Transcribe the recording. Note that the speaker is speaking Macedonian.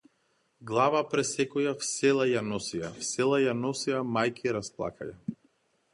Глава пресекоја в села ја носеја, в села ја носеја мајки расплакаја.